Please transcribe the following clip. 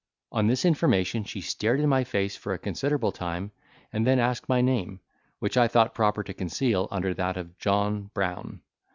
On this information she stared in my face for a considerable time, and then asked my name, which I thought proper to conceal under that of John Brown.